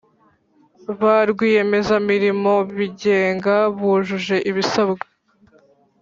ba rwiyemezamirimo bigenga bujuje ibisabwa